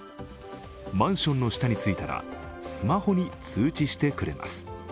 マンションの下に着いたらスマホに通知してくれます。